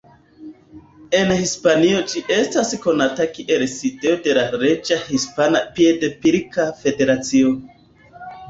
En Hispanio ĝi estas konata kiel sidejo de la Reĝa Hispana Piedpilka Federacio.